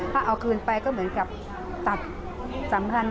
ถ้าเอาคืนไปก็เหมือนกับตัดสำคัญ